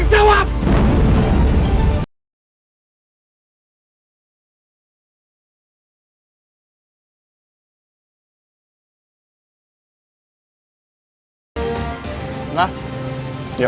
jawab pertanyaan gue